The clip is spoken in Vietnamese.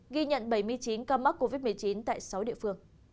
ghi nhận bảy mươi chín ca mắc covid một mươi chín tại sáu địa phương